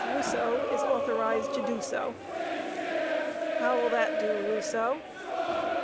Rousseau is authorized to do so." "How will that do, Rousseau?"